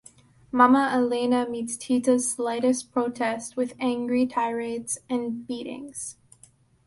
Mama Elena meets Tita's slightest protest with angry tirades and beatings.